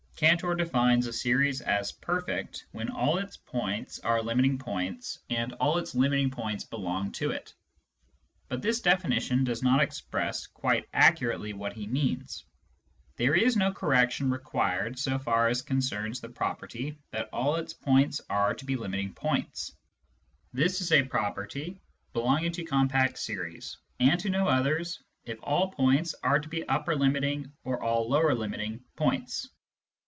Cantor defines a series as " perfect " when all its points are limiting points and all its limiting points belong to it. But this definition does not express quite accurately what he means. There is no correction required so far as concerns the property that all its points are to be limiting points ; this is a property belonging to compact series, and to no others if all points are to be upper limiting or all lower limiting points.